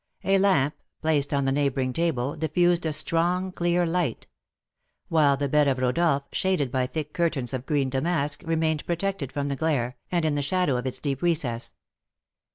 A lamp, placed on a neighbouring table, diffused a strong, clear light; while the bed of Rodolph, shaded by thick curtains of green damask, remained protected from the glare, and in the shadow of its deep recess.